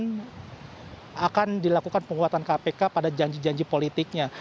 dan juga akan dilakukan penguatan kpk pada janji janji politiknya